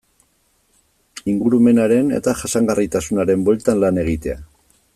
Ingurumenaren eta jasangarritasunaren bueltan lan egitea.